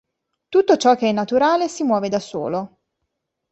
Tutto ciò che è naturale si muove da solo.